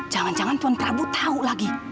jangan jangan puan prabu tahu lagi